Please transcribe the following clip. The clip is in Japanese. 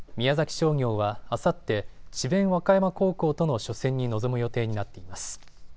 商業はあさって智弁和歌山高校との初戦に臨む予定になっています。